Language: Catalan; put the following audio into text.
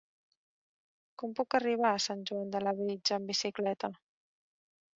Com puc arribar a Sant Joan de Labritja amb bicicleta?